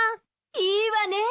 いいわね。